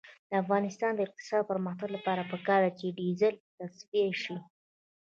د افغانستان د اقتصادي پرمختګ لپاره پکار ده چې ډیزل تصفیه شي.